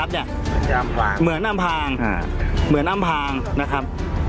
เย็นแล้ว